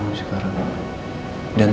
yang bisa kita lakukan hanya menunggu sekarang